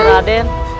masih ya raden